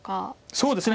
そうですね